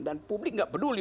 dan publik nggak peduli